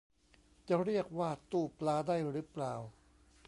จะเรียกว่าตู้ปลาได้รึเปล่า